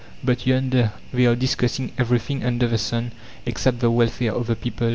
But "yonder" they are discussing everything under the sun except the welfare of the people.